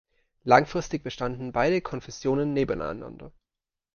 Langfristig bestanden beide Konfessionen nebeneinander.